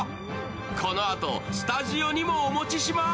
このあとスタジオにもお持ちします。